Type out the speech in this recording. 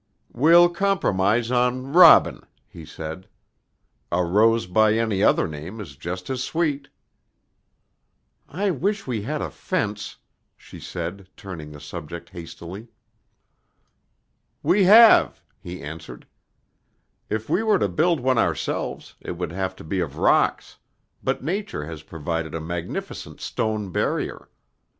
"We'll compromise on Robin," he said. "A rose by any other name is just as sweet." "I wish we had a fence," she said turning the subject hastily. "We have," he answered. "If we were to build one ourselves, it would have to be of rocks, but Nature has provided a magnificent stone barrier.